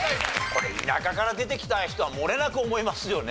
これ田舎から出てきた人は漏れなく思いますよね。